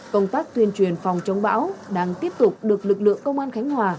công tác tuyên truyền phòng chống bão đang tiếp tục được lực lượng công an khánh hòa